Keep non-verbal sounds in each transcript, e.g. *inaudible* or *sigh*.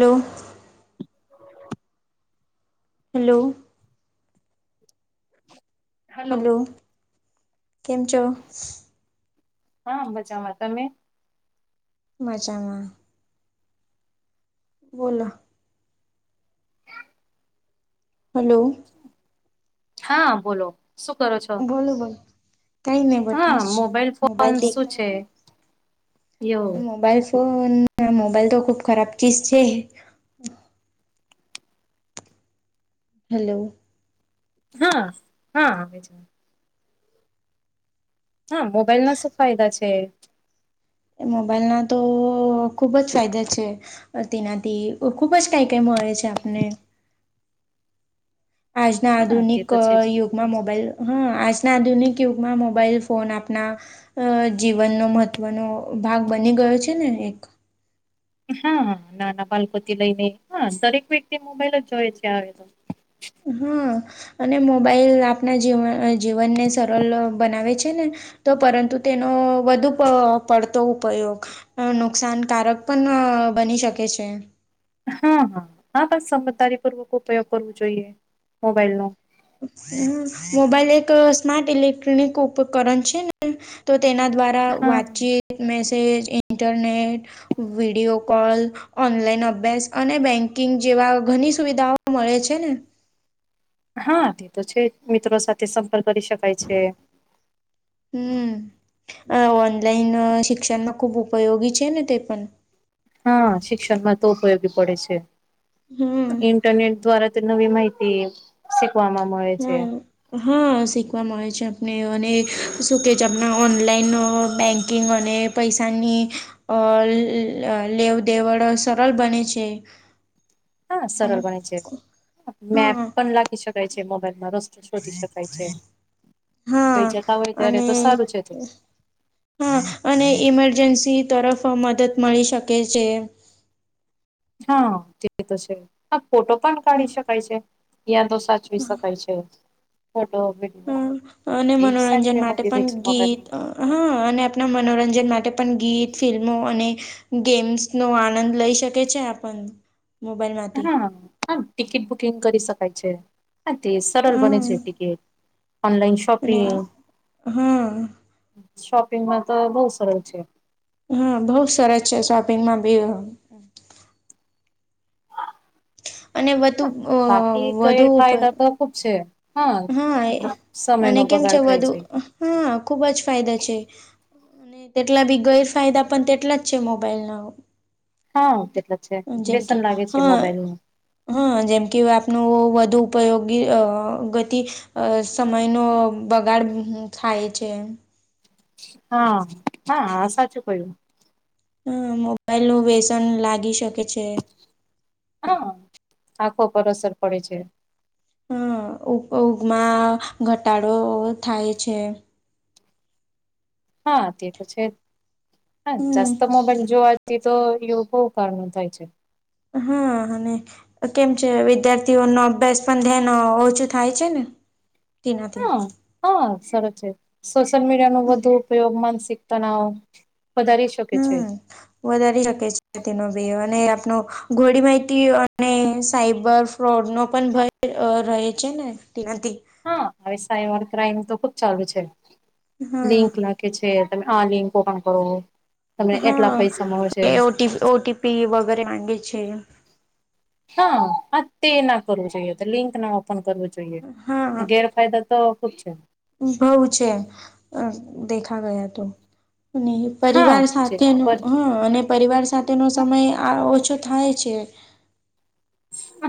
Hello *inaudible* hello hello કેમ છો હા બજામાં તમે વાજામાં બોલો હલો હા બોલો શું કરો છો બોલો બોલો કઈ નહી બઠે હા જ મોબાઈલ ફોન શું છે એવું મોબાઈલ ફોન મોબાઈલ તો ખુબ ખરાબ ચીજ છે હલો હા હા આવે જ હા મોબાઈલ ના શું ફાયદા છે એ મોબાઈલના તો ખુબ જ ફાયદા છે તેનાથી ખુબ જ કઈ કઈ મળે છે આપને આજના હા તે આધુનિક તો છે જ યુગ માં મોબાઈલ હ આજના આધુનિક યુગમાં મોબાઈલ ફોન આપના અ જીવનનો મહત્વનો ભાગ બની ગયો છે ને એક હા હા નાના બાલપતિ લઈને હા દરેક વ્યક્તિ મોબાઈલ જ જોય છે આવે તો હા અને મોબાઈલ આપણા જીવન જીવનને સરળ બનાવે છે ને તો પરંતુ તેનો વધુ પ પડતો ઉપયોગ અ નુકસાનકારક પણ બની શકે છે હા હા હા બસ સમજદારીપૂર્વક ઉપયોગ કરવો જોઈએ મોબાઈલ નો હ મોબાઈલ એક સ્માર્ટ ઇલેક્ટ્રોનિક ઉપકરણ છે ને તો તેના દ્વારા મા હા વાતચીત message internet video call online અભ્યાસ અને બેંકિંગ જેવા ઘણી સુવિધાઓ મળે છે ને હા તે તો છે મિત્રો સાથે સંપર્ક કરી શકાય છે હમ ઓનલાઈન શિક્ષણમાં ખૂબ ઉપયોગી છે ને તે પણ હા શિક્ષણમાં તો ઉપયોગી પડે છે હમ ઇન્ટરનેટ દ્વારા તો નવી માહિતી શીખવામાં મળે છે હમ હા શીખવા મળે છે આપણે અને શું કહે છે આપણાં ઓનલાઈન બેન્કિંગ અને પૈસાની અ લેવ દેવડ સરળ બને છે હા અને સરળ બને છે મેપ હા પણ લખી શકાય છે મોબાઈલમાં ર શોધી શકાય છે હા કઈ જતા હોય ત્યારે અને તો સારું છે ત હા અને ઈમરજન્સી તરફ મદદ મળી શકે છે હા તે તો છે ફોટો પણ કાઢી શકાય છે ત્યાં તો સાચું શકાય છે ફોટો વિડીયો અ અને એ સારી મનોરંજન માટે મેમોરી રહે પણ છે ગીત મોબાઈલમાં હા અને આપણા મનોરંજન માટે પણ ગીત ફિલ્મો અને ગેમ્સનો આનંદ લઈ શકે છે આપન મોબાઈલમાંથી. હા હા, ટિકિટ બુકિંગ કરી શકાય છે, હા, તે સરળ બને હમ છે ટિકિટ, ઓનલાઈન શ અને શોપિંગ, હા શોપિંગમાં તો બહું સરળ છે. હા બહું સરસ છે શોપિંગમાં બી અહ *inaudible* અને વધુ હા, બાકી વધુ ગેરફાયદા તો ખુબ છે. હા, સમય અને નો કેમ બગાડ થાય વધુ છે. હા ખૂબ જ ફાયદા છે. અને તેટલા બી ગેરફાયદા પણ તેટલા જ છે મોબાઈલ ના. હા તે તો છે, કે વ્યસન લાગે છે હા મોબાઈલનુ. હા જેમ કે વે આપનું વધુ ઉપયોગી અહ ગતિ અહ સમય નો બગાડ થાય છે. હા, હા, આ સાચું કહ્યું. હમ્મ. મોબાઈલ નું વ્યસન લાગી શકે છે. હા. આંખો પર અસર પડે છે. હમ્મ, ઉગ-ઉગમાં ઘટાડો થાય છે. હા તે તો છે જ. હા, *unintelligible* હમ મોબાઈલ જોવા જઈએ તો *unintelligible* ઉપકારણ થાય છે. હા અને કેમ છે વિદ્યાર્થીઓનો અભ્યાસ પણ ધ્યાન ઓછું થાય છે ને, તેનાથી. હા હા, સરસ છે, સોશિયલ મીડિયા નો વધુ ઉપયોગ માનસિક તનાવ વધારી શ કે છે. હમ વધારી શકે છે તેનો બી, અને આપનો ગોડી માહિતી અને સાઈબર ફ્રોડ નો પણ ભય રહે છે ને. તેનાથી હા આવી સાયબર ક્રાઈમ તો ખુબ ચાલુ છે. લિંક હા લાગ કે છે તમે આ લિંક ઓપન કરો તમને એટલા હા. પૈસા મળશે એ O T, O T P વગેરે માંગે છે. હા, આ તે ન કરવું જોઈએ, તો લિંક ના ઓપન કરવું જોઈએ. ગેરફાયદા તો ખુબ છે. બહું છે, અહ દેખા ગયા તો. ની હા પરિવાર છે સાથે નું પર હા. અને પરિવાર સાથેનો સમય આ ઓછો થાય છે.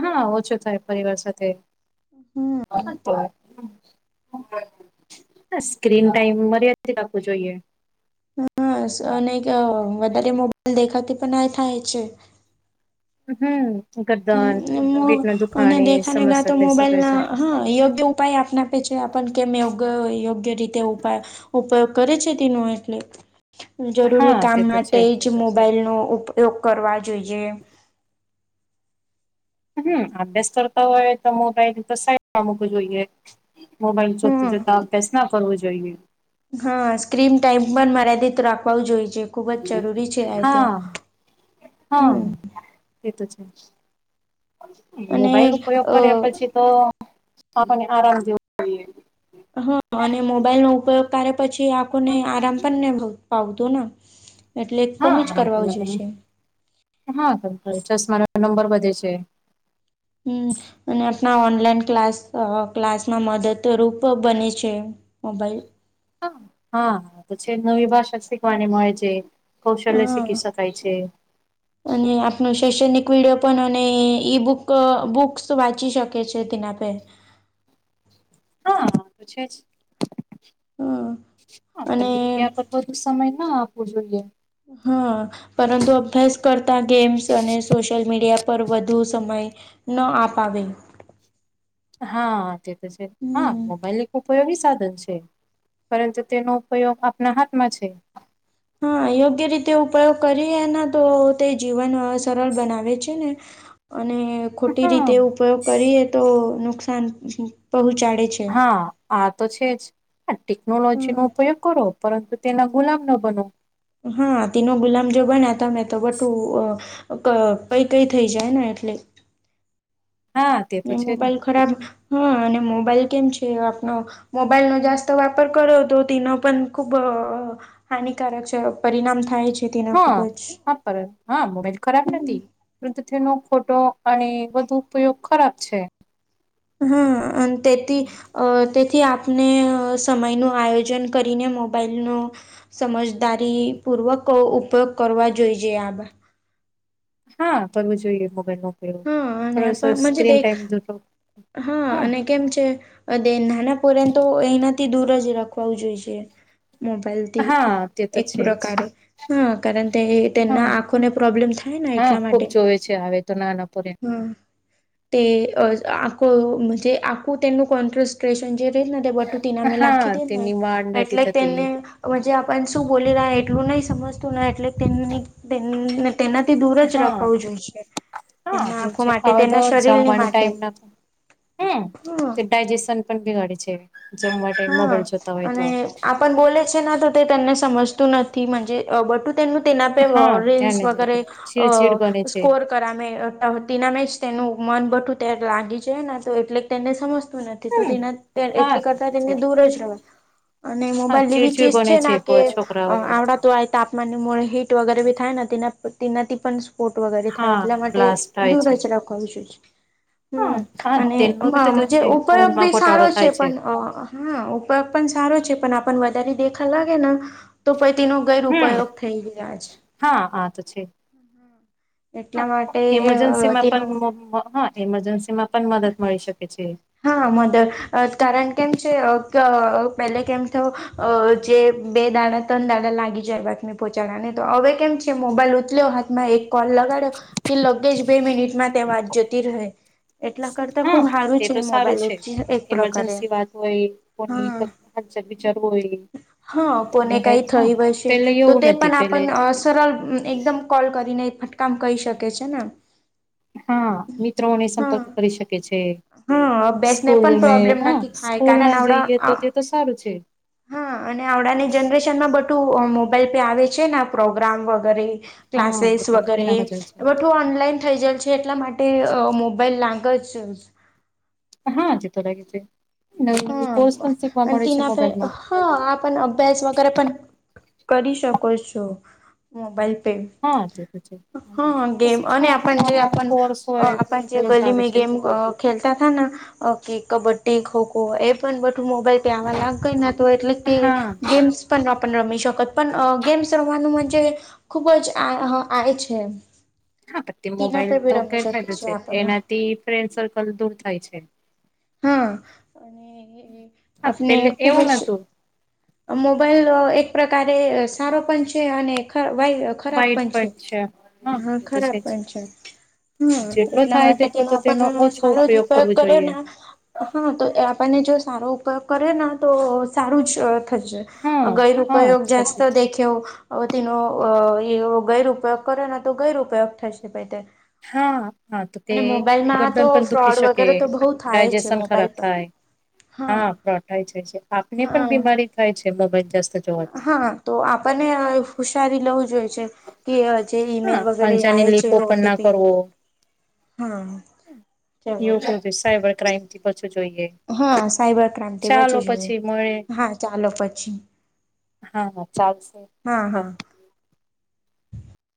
હા ઓછો થાય પરિવાર સાથે. હમ સ્ક્રીન ટાઈમ મર્યાદિત રાખવું જોઈએ. હા. અને ક વધારે મોબાઈલ દેખાતી પણ આ થાય છે. હમ્મ. *unintelligible* અને દેખાને ગયા તો સમસ્યા થઈ મોબાઈલ શકે ના છે હા યોગ્ય ઉપાય આપને આપે છે, આપન કેમ યોગ યોગ્ય રીતે ઉપાય ઉપયોગ કરે છે તેનો એટલે, જરૂરી હા કામ તે તો માટે છે જ મોબાઈલનો ઉપયોગ કરવા જોઈએ. હમ્મ, અભ્યાસ કરતા હોય તો મોબાઈલ એ તો સાઈડ માં મૂકવુ જોઈએ. મોબાઈલ હમ જોતા-જોતા અભ્યાસ ન કરવો જોઈએ. હા સ્ક્રીન ટાઈમ પણ મર્યાદિત રાખવા જોઈએ ખુબ જ જરૂરી છે, આઈ તો. હા હા હમ્મ. એ તો છે. મોબાઈલ અને ઉપયોગ અ કર્યા પછી તો, આપને આરામ જેવું *unintelligible* હા. અને મોબાઈલ નો ઉપયોગ કારે પછી આંખોને આરામ પણ *unintelligible* આવતું ના, એટલે હા કમી જ કરવાઉં જે આરામ છે. હા, તો-તો ચશ્મા ના નંબર વધે છે. હમ અને આપણા ઓનલાઈન ક્લાસ ક્લાસમાં મદદરૂપ બને છે મોબાઈલ *unintelligible* હા તો છે નવી ભાષા શીખવાની મળે છે કૌશલ્ય હા શીખી શકાાય છે અને આપણ શૈક્ષણિક વિડીિયો પણ અને ઈ બુક બુક્સ વાંચી શક *unintelligible* કે છે દના પે હા પૂછે છે હમ હા પણ અને મીડિયા પર બધું સમય ના આપવો જોઈએ હા પરંતુ અભ્યાસ કરતા ગેમ્સ અને સોશિયલ મીડિયા પર વધુ સમય ન અાવે *inaudible* હા તે તો છે હા હમ મોબાઈલ એક ઉપયોગી સાધન છે પરંતુ તેનો ઉપયોગ આપના હાથમાં છે હા યોગ્ય રીતે ઉપયોગ કરીએ એના તો તે જીવન સરળ બનાવે છે ને અને ખોટી હા રીતે ઉપયોગ કરીએ તો નુકસાન પહોંચાડે છે હા આ તો છે જ ટેકનોલોજી નો ઉપયોગ કરો પરંતુ તેના ગુલામ ન બનો હા તેનો ગુલામ જો બને્યા તમે તો બટું *unintelligible* કઈ કઈ થઈ જાય ને એટલે હા તે તો અને છે જ મોબાઈલ ખરાબ હા અને મોબાઈલ કેમ છે આપનો મોબાઈલનો જાસ્ત વાપર કરતો તનો પણ ખૂબ હાનિકારક છે પરિણામ થાય છે તેના ખૂબ હા જ હા પરત હા મોબાઈલ ખરાબ હમ નથી વૃદ્ધિ નો ખોટો અને વધુ ઉપયોગ ખરાબ છે હા અને તેથી અ તેથી આપ ને સમયનું આયોજન કરીને મોબાઈલનો સમજદારીપૂર્વક ઉપયોગ કરવા જોઈએ આ હા કરવું જોઈએ મોબાઈલ ન હા *unintelligible* અને થોડોસો આપજ સ્ક્રીન દેખ ટાઈમ હા હમ *inaudible* અને કેમ છે *unintelligible* નાના પોરેને તો એનાથી દૂર જ રાખવાું જોઈ મોબાઈલથી હા તે તો એક પ્ર છે જ પ્રકારે હા કારણ તે તેના હા આંખોને પ્રોબ્લેમ થાય ને એટલા માટે આવે તો નાના પર *inaudible* આ કો બટું ત નામે હા લખી દે ન તેની વાડ નથી એટલે થતી તેને જે આપને શું બોલી રહ્યા એટલું નહીં સમજતું ન એટલે *inaudible* તેનાથી દૂર જ હા રાખું જોઈએ હા તે છે હવે તો જમવાન માટે ટાઈમ *unintelligible* હમ *inaudible* હા ડાયજેશન પણ બીગાડીે છે જે માટે હા મોબાઈલ જોતા હોય અને તો આપણ બોલે છે તો તે તને સમજતું નથી *inaudible* *inaudible* તેના આપે હા ધ્યાન રિસ જ વગેરે નથી. અ ચીડચીડ બને છે સ્કોર કરમે તેના મે જ તેનું મન બટું ત્યારે લાગી જાય ને તો એટલે તેને સમજતું નથી હમ તેના હા એટલી તે *inaudible* તો છે દૂર જ રો *inaudible* હા મોબાઈલ એવી ચીડચીડ ચીજ બને છે પ કે છોકરાઓ આવ એવાથી ય તાપમાન મુ હીટ વગેરે બી થાય ને તેના તેનાથી પણ ફોટ વગેરે થાય હા એટલા માટે બ્લાસ્ટ થાય દૂર છે જ રાખવા *unintelligible* હા હમ હા અને તેલનું બી તો એમાં તું જ છે ઉપયોગ ઊંઘમાં બી સારો ઘોટાડો છે થાય પણ હા ઉપોય પણ સારો છે પણ આપને વધારે દેખા લાગે ને તો પછ તેનો હમ ગેરપયોગ થઈ ગયા છે હા આ તો છે *inaudible* એટલામાં ઈમરજન્સી માં પણ હા ઈમરજન્સી માં પણ મદદ મળી શકે છે હા મધર કારણ કેમ છે ત્યાં પેલો કેમ થયો અ જે બે દાડા ત્રણ દાડા લાગી જાય બાતમી પહોંચાડ્યા નને તો હવે કેમ છે મોબાઈલ ઉપલો હાથ માં એકત કોલ લગાડ્યો કે લગેજ બે મિનિટમાં ત વાત જતી રહે એટલા કરતા ફોન હા તે સારું છે તો સારું મોબાઈલ છે એક એક પ્રકારે ઈમરજન્સી હા વાત હોય કોની *inaudible* હોય હા કોને મોબાઈલ કાઈ હા થઈ વીશે પેલે તો એવું તે નથી પણ પેલે આપણ ને સરળ એકદમ કોલ કરીને ફટકામ કહી શકે છે ને હા મિત્રોને સંપર્ક કરી શકે છે હા અભ્યાસને સ્કૂલ પણ મે પ્રોબ્લેમ હ નથી થાય સ્કૂલ કારણ ના આવડા જોઈએ તો તે તો સારું છે હા અને આવડાની જનરેશન માં બધું મોબાઈલ પે આવે છે ને પ્રોગ્રામ વગેરે હા ક્લાસીસ બધા વગેરે તેનામાં જાય છે બધું ઓનલાઈન થઈ જવું એટલા માટે મોબાઈલ *unintelligible* હા જીતો લાગ છે હા ન કોર્સ પણ શીખવા અને મળે છે તેના મોબાઈલ પર માં હા આ પણ અભ્યાસ વગેરે પણ કરી શકો છો મોબાઈલ પે હા તે તો છે હા તો ગેમ શું છે અને આપ જે આપ ઓનલાઈન કોર્સ હોય આપ બહુ જે કોર્સ ગલી આવે મે છે ગેમ ખેલતા થા ને કબડ્ડી ખોખો એ પણ બધું મોબાઈલ તેમાં લાગઈ ના તો એટલે તે હા ગેમ્સ પણ રમી શકત પણ ગેમ્સ રમવાનુંજ ખુબ જ આ આવે છે હા પછી તેના મોબાઈલ પર બી તો રમી ગેર શકીએ ફાયદો છે આપણને એનાથી ફ્રેન્ડ સર્કલ દૂર થાય છે હા અને હા આપને પેલે ખુબ એવું જ નતું મોબાઈલ એક પ્રકારે સારો પણ છે અને *unintelligible* ખરાબ પણ છે હા ખરાબ પણ છે હમ જેટલો એટલા થાય માટે તેટલો કેનો તો તેનો આપણ ઓછો સારો જ ઉપયોગ કરવો કર્યો જોઈએ ને હા તો એ આપણને જો સારો ઉપયોગ કર્યો ને તો સારુંજસે હા *unintelligible* હા ગેરઉપયોગ જસ્ત સાચું છે દેખવ વતીનો એવો ગેરપયોગ કરે ને તો ગેરપયોગ થશે ભાઈ તે હા હા તો તે અને મોબાઈલમાં ગરદન તો પણ દુખી ફ્રોડ શકે વગેરે તો બહુ થાય છે ડાયજેશન મોબાઈલ ખરાબ પર થાય હા પ્રોટાઈ જાય છે આપને પણ હા બીમારી *unintelligible* હા તો આપણને હુશારી લેવું જોઈ છે કે હ જે ઈમેલ હા વગેરે અંજાની હ છે લીકો પણ ના ઓટીપી કરવો હમ કે એવ સાયબર ક્રાઈમથી પાછું જોઈએ હા સાયબર ક્રાઈમ બચે ચાલો છે પછી મળે હા ચાલો પછી હા હા ચાલશે હા હા બંધ